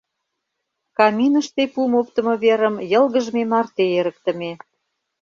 Каминыште пум оптымо верым йылгыжме марте эрыктыме.